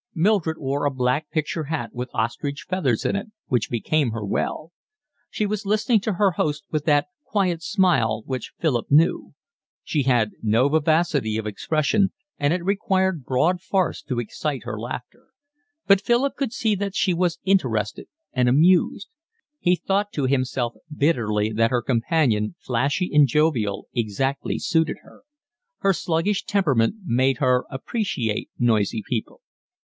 Mildred wore a black picture hat with ostrich feathers in it, which became her well. She was listening to her host with that quiet smile which Philip knew; she had no vivacity of expression, and it required broad farce to excite her laughter; but Philip could see that she was interested and amused. He thought to himself bitterly that her companion, flashy and jovial, exactly suited her. Her sluggish temperament made her appreciate noisy people.